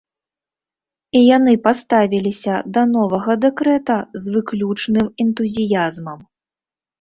І яны паставіліся да новага дэкрэта з выключным энтузіязмам.